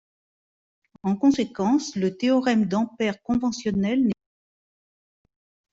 En conséquence, le théorème d’Ampère conventionnel n’est plus valable.